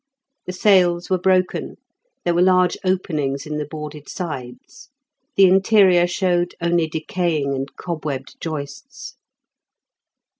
The sails were broken, there were large openings in the boarded sides, the interior showed only decaying and cobwebbed joists.